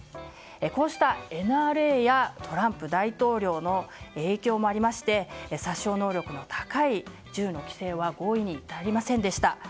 こうしたＮＲＡやトランプ大統領の影響もありまして殺傷能力の高い銃の規制は合意に至りませんでした。